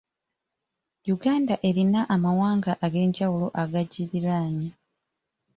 Uganda erina amawanga ag'enjawulo agagiriraanye.